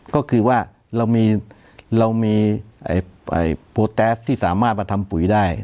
ก็คือว่าเรามีโปรแต๊สที่สามารถมาทำปุ๋ยได้